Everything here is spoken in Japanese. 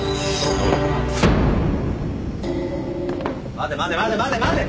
待て待て待て待て待て！